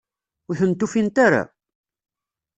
Ur tent-ufint ara?